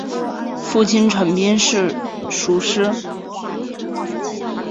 父亲陈彬是塾师。